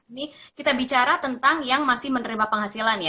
ini kita bicara tentang yang masih menerima penghasilan ya